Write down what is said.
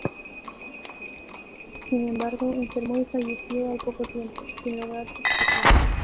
Sin embargo, enfermó y falleció al poco tiempo, sin lograr su objetivo.